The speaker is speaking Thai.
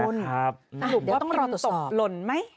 ปรากฏว่าพี่พี่ตกรนมั้ย